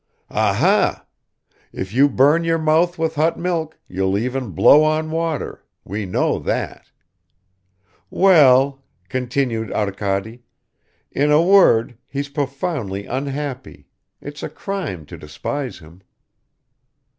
"Aha! If you burn your mouth with hot milk, you'll even blow on water we know that!" "Well," continued Arkady, "in a word, he's profoundly unhappy it's a crime to despise him."